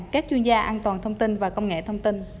các chuyên gia an toàn thông tin và công nghệ thông tin